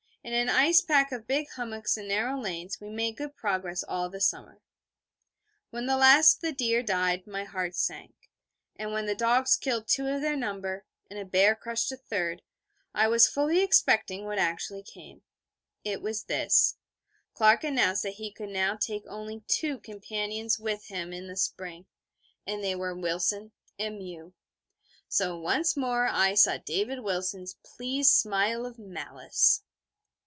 In an ice pack of big hummocks and narrow lanes we made good progress all the summer. When the last of the deer died, my heart sank; and when the dogs killed two of their number, and a bear crushed a third, I was fully expecting what actually came; it was this: Clark announced that he could now take only two companions with him in the spring: and they were Wilson and Mew. So once more I saw David Wilson's pleased smile of malice.